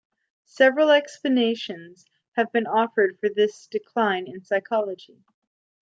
Several explanations have been offered for this decline in psychology.